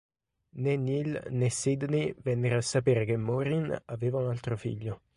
Né Neil né Sidney vennero a sapere che Maureen aveva un altro figlio.